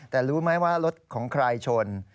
แต่รู้ไหมว่ารถของใครชน